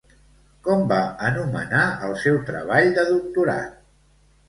Com va anomenar el seu treball de doctorat?